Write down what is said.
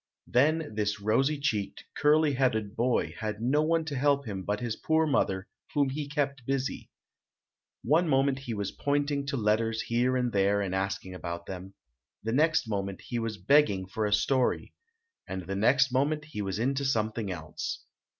Then this rosy cheeked, curly headed boy had no one to help him but his poor mother, whom he kept busy. One moment he was pointing to letters here and there and asking about them; the next moment, he was begging for a story; and the next moment, he was into something else.